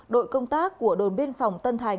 đội công tác của đồn biên phòng tân thành